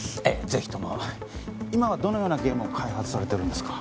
ぜひとも今はどのようなゲームを開発されてるんですか